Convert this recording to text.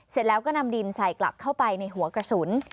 เสร็จแล้วก็นำดินใส่กลับเข้าไปในหัวกระสุน